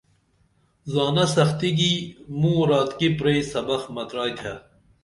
زانہ سختی گی موں راتکی پرئی سبخ مترائتھے